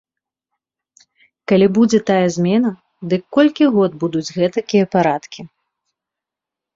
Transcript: Калі будзе тая змена, дык колькі год будуць гэтакія парадкі?